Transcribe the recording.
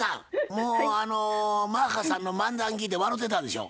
もうあのマッハさんの漫談聞いて笑うてたでしょ？